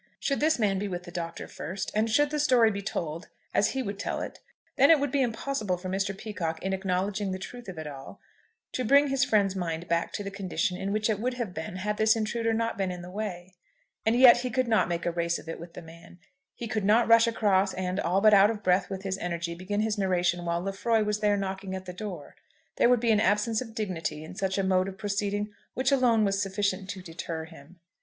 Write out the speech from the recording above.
Should this man be with the Doctor first, and should the story be told as he would tell it, then it would be impossible for Mr. Peacocke, in acknowledging the truth of it all, to bring his friend's mind back to the condition in which it would have been had this intruder not been in the way. And yet he could not make a race of it with the man. He could not rush across, and, all but out of breath with his energy, begin his narration while Lefroy was there knocking at the door. There would be an absence of dignity in such a mode of proceeding which alone was sufficient to deter him.